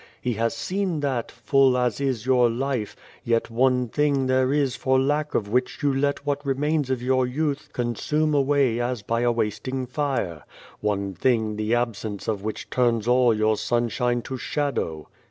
He has seen that, full as is your life, yet one thing there is for lack of which you let what remains of your youth consume away as by a wasting fire ; one thing the absence of which turns all your sunshine to shadow.